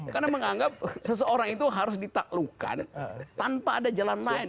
karena menganggap seseorang itu harus ditaklukkan tanpa ada jalan lain